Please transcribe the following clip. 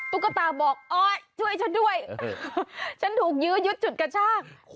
ตุ๊กตาบอกโอ๊ยช่วยฉันด้วยฉันถูกยื้อยุดจุดกระชาก